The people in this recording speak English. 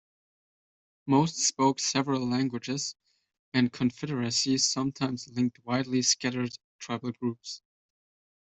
Most spoke several languages, and confederacies sometimes linked widely scattered tribal groups.